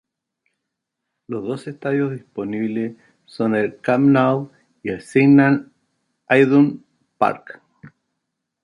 Los dos estadios disponibles son el Camp Nou y el Signal Iduna Park.